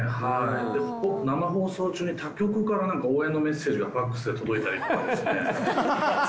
生放送中に他局からなんか応援のメッセージがＦＡＸで届いたりとかですね。